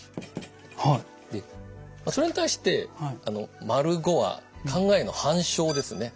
それに対して⑤は「考えへの反証」ですね。